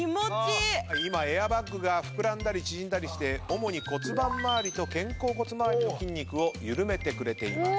今エアバッグが膨らんだり縮んだりして主に骨盤回りと肩甲骨回りの筋肉を緩めてくれています。